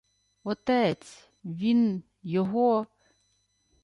— Отець... він... Його...